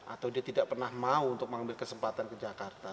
atau dia tidak pernah mau untuk mengambil kesempatan ke jakarta